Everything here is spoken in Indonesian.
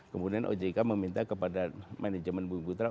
kemudian ojk meminta kepada manajemen bumi putra